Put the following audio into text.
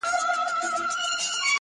o خو دده زامي له يخه څخه رېږدي ـ